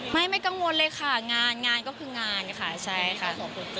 ไม่ไม่กังวลเลยค่ะงานงานก็คืองานค่ะใช่ค่ะ